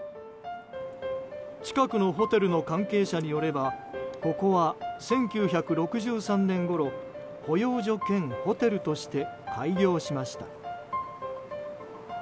近くのホテルの関係者によればここは１９６３年ごろ保養所兼ホテルとして開業しました。